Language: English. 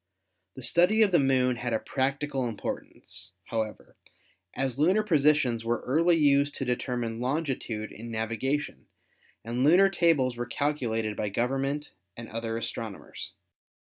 The study of the Moon had a practical importance, however, as lunar posi tions were early used to determine longitude in navigation and lunar tables were calculated by government and other astronomers.